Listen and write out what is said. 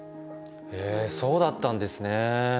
へえそうだったんですね。